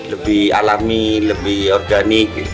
lebih alami lebih organik